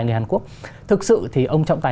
người hàn quốc thực sự thì ông trọng tài